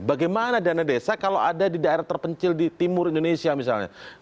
bagaimana dana desa kalau ada di daerah terpencil di timur indonesia misalnya